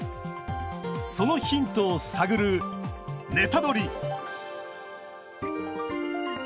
そのヒントを探る、ネタドリ！